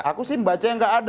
aku sih baca yang tidak ada